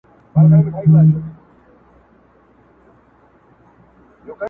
هغې ويل اور.